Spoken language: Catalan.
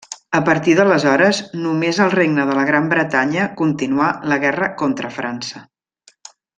A partir d'aleshores, només el Regne de la Gran Bretanya continuà la guerra contra França.